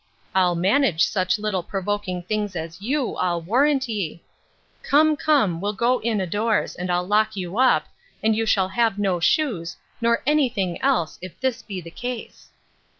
I'll manage such little provoking things as you, I warrant ye! Come, come, we'll go in a'doors, and I'll lock you up, and you shall have no shoes, nor any thing else, if this be the case.